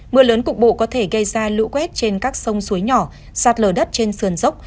mưa lớn cục bộ có thể gây ra lũ quét trên các sông suối nhỏ sạt lở đất trên sườn dốc